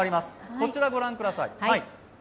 こちら、ご覧ください。